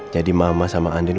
jadi mama sama andin